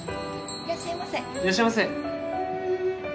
いらっしゃいませ